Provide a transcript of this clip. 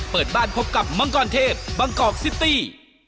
เปิดบ้านพบกับมังกรเทพบางกอกซิตี้